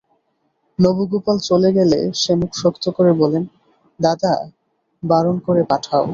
নবগোপাল চলে গেলে সে মুখ শক্ত করে বললে, দাদা, বারণ করে পাঠাও।